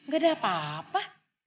gak ada apa apa